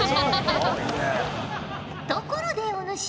ところでお主ら。